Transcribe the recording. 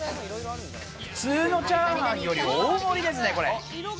普通のチャーハンより大盛りですね、これ。